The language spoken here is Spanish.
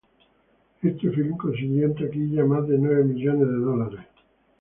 Este film consiguió en taquilla más de nueve millones de dólares.